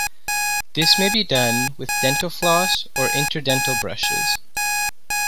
This may be done with dental floss or interdental brushes.